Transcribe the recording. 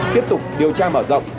tiếp tục điều tra mở rộng